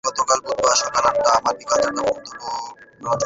গতকাল বুধবার সকাল আটটা থেকে বিকেল চারটা পর্যন্ত ভোট গ্রহণ চলে।